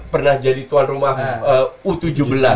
pernah jadi tuan rumah u tujuh belas